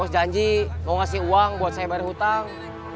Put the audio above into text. terus janji mau ngasih uang buat saya bayar hutang